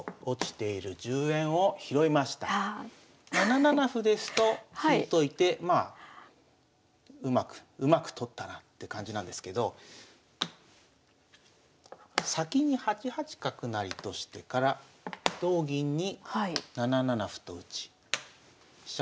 ７七歩ですと引いといてまあうまく取ったなって感じなんですけど先に８八角成としてから同銀に７七歩と打ち飛車